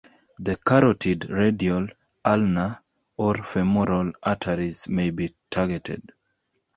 The carotid, radial, ulnar or femoral arteries may be targeted.